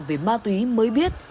về ma túy mới biết